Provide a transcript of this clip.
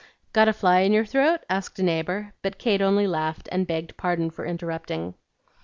"Got a fly in your throat?" asked a neighbor; but Kate only laughed and begged pardon for interrupting.